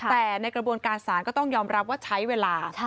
แต่ในกระบวนการศาลก็ต้องยอมรับว่าใช้เวลา